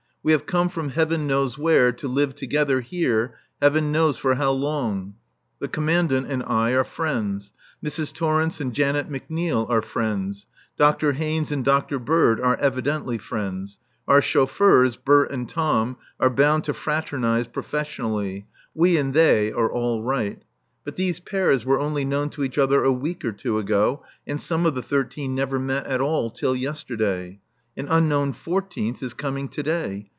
We have come from heaven knows where to live together here heaven knows for how long. The Commandant and I are friends; Mrs. Torrence and Janet McNeil are friends; Dr. Haynes and Dr. Bird are evidently friends; our chauffeurs, Bert and Tom, are bound to fraternize professionally; we and they are all right; but these pairs were only known to each other a week or two ago, and some of the thirteen never met at all till yesterday. An unknown fourteenth is coming to day.